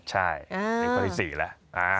ใช่นี่ข้อที่๔แล้ว